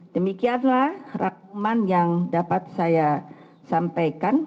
demikianlah rakman yang dapat saya sampaikan